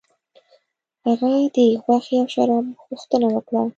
هغه د غوښې او شرابو غوښتنه وکړه.